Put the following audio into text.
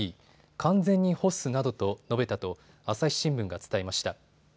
完全に干すなどと述べたと朝日新聞が伝えました。